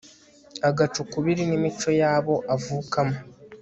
agaca ukubiri n'imico y'abo avukamo